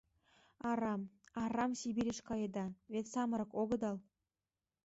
— Арам, арам Сибирьыш каеда, вет самырык огыдал.